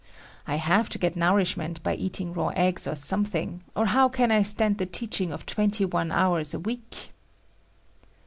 I have to get nourishment by eating raw eggs or something, or how can I stand the teaching of twenty one hours a week?